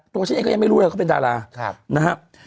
ตัวฉันเองก็ยังไม่รู้เลยเขาเป็นดารานะครับ